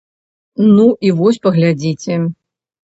Ну і вось паглядзіце.